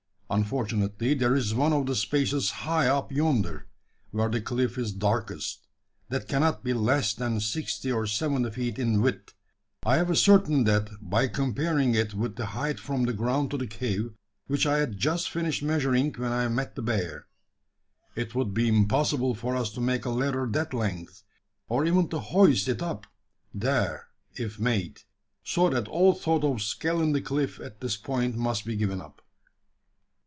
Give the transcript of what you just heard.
Unfortunately there is one of the spaces high up yonder where the cliff is darkest that cannot be less than sixty or seventy feet in width. I have ascertained that by comparing it with the height from the ground to the cave which I had just finished measuring when I met the bear. It would be impossible for us to make a ladder that length or even to hoist it up there if made so that all thought of scaling the cliff at this point must be given up."